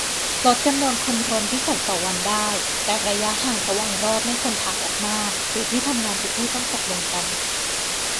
ลดจำนวนคนรวมที่ขนต่อวันได้ แต่ระยะห่างระหว่างรอบไม่ควรถ่างออกมาก หรือที่ทำงานทุกที่ต้องตกลงกัน